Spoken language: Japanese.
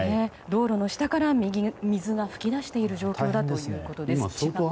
道路の下から水が噴き出している状況だということです。